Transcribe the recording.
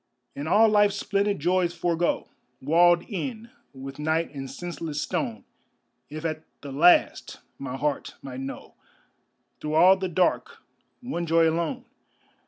And all life's splendid joys forego, Walled in with night and senseless stone, If at the last my heart might know Through all the dark one joy alone.